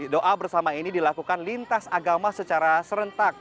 doa bersama ini dilakukan lintas agama secara serentak